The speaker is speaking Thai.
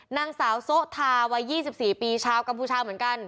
นางสาวโซะทาวัย๒๔ปีชาวกัมพูชาเหมือนกัน